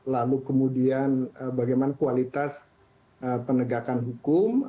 lalu kemudian bagaimana kualitas penegakan hukum